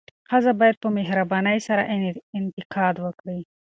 ښځه باید په مهربانۍ سره انتقاد وکړي.